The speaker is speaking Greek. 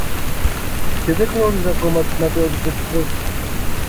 Και δε γνώριζα ακόμα τις ματαιότητες του κόσμου.